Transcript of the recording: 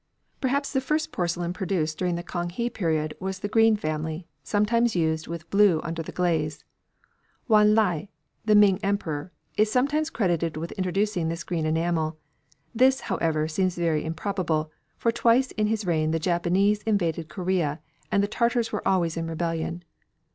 Perhaps the finest porcelain produced during the Kang he period was the green family, sometimes used with blue under the glaze. Wan leih, the Ming Emperor, is sometimes credited with introducing this green enamel. This, however, seems very improbable, for twice in his reign the Japanese invaded Korea, and the Tartars were always in rebellion.